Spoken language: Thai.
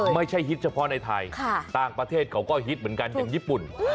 ฮิตเฉพาะในไทยต่างประเทศเขาก็ฮิตเหมือนกันอย่างญี่ปุ่น